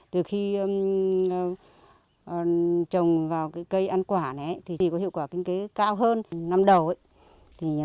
từ khi trồng vào cây ăn quả này thì có hiệu quả kinh tế cao hơn năm đầu ấy